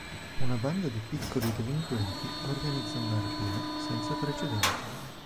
Una banda di piccoli delinquenti organizza una rapina senza precedenti.